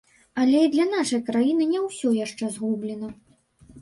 Але і для нашай краіны не ўсё яшчэ згублена.